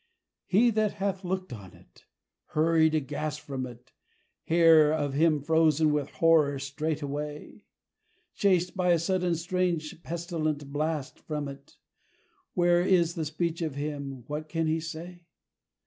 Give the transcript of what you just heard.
He that hath looked on it hurried aghast from it, Hair of him frozen with horror straightway, Chased by a sudden strange pestilent blast from it Where is the speech of him what can he say?